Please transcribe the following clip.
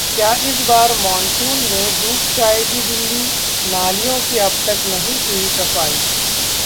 क्या इस बार मॉनसून में डूब जाएगी दिल्ली, नालियों की अबतक नहीं हुई सफाई